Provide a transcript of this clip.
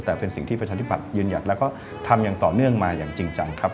แต่เป็นสิ่งที่ประชาธิบัติยืนหยัดแล้วก็ทำอย่างต่อเนื่องมาอย่างจริงจังครับ